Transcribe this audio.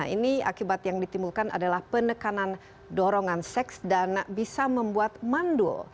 ini akibat yang ditimbulkan adalah penekanan dorongan seks dan bisa membuat mandul